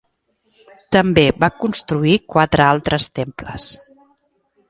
També va construir quatre altres temples.